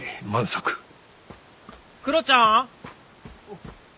クロちゃん？